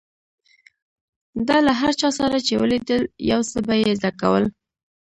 ده له هر چا سره چې ولیدل، يو څه به يې زده کول.